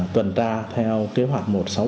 tuần tra theo kế hoạch một trăm sáu mươi